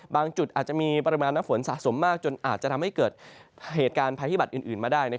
จุดอาจจะมีปริมาณน้ำฝนสะสมมากจนอาจจะทำให้เกิดเหตุการณ์ภัยพิบัตรอื่นมาได้